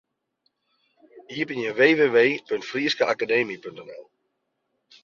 Iepenje www.fryskeakademy.nl.